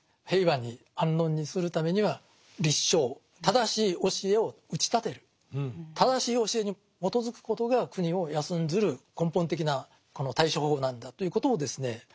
平和に安穏にするためには「立正」正しい教えを打ち立てる正しい教えに基づくことが国を安んずる根本的なこの対処方法なんだということをですね